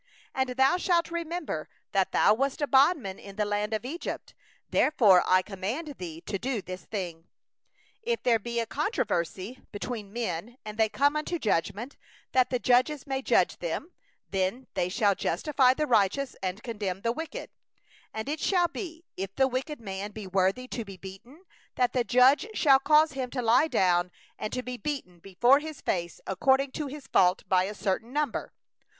22And thou shalt remember that thou wast a bondman in the land of Egypt; therefore I command thee to do this thing. If there be a controversy between men, and they come unto judgment, and the judges judge them, by justifying the righteous, and condemning the wicked, 2then it shall be, if the wicked man deserve to be beaten, that the judge shall cause him to lie down, and to be beaten before his face, according to the measure of his wickedness, by number.